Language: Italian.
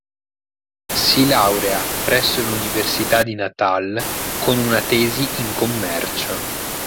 Si laurea preso l'Università di Natal con una tesi in commercio.